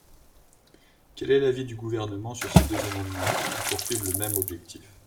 Quel est l’avis du Gouvernement sur ces deux amendements ? Ils poursuivent le même objectif.